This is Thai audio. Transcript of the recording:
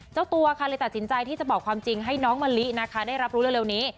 เจ้าตัวค่ะเลยตัดสินใจที่จะบอกความจริงให้น้องมะลินะคะได้รับรู้เร็วนี้